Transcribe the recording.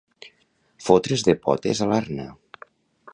Fotre's de potes a l'arna.